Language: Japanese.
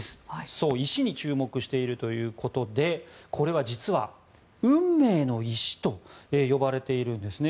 そう、石に注目しているということでこれは実は、運命の石と呼ばれているんですね。